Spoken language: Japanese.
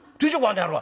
あの野郎」。